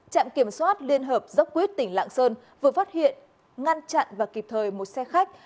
trạm kiểm soát liên hợp dốc quýt tỉnh lạng sơn vừa phát hiện ngăn chặn và kịp thời một xe khách